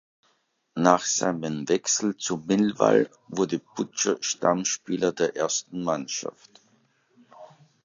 Nach seinem Wechsel zu Millwall wurde Butcher Stammspieler der ersten Mannschaft.